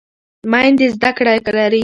میندې زده کړه لري.